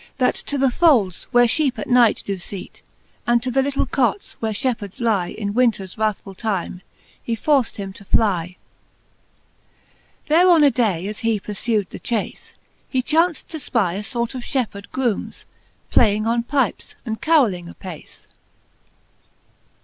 That to the folds^ where fheepe at night doe feat, And to the little cots, where fhepherds lie In winters wrathful! time, he forced him to flie. V. There on a day, as he purlew'd the chace. He chaunft to fpy a fort of fhepheard groomes. Playing on pypes, and caroling apace.